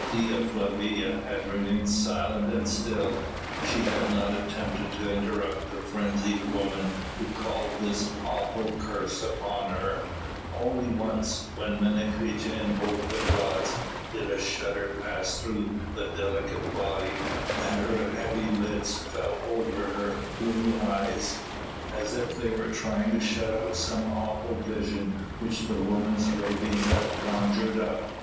Dea Flavia had remained silent and still. She had not attempted to interrupt the frenzied woman who called this awful curse upon her; only once, when Menecreta invoked the gods, did a shudder pass through the delicate body, and her heavy lids fell over her blue eyes, as if they were trying to shut out some awful vision which the woman's ravings had conjured up.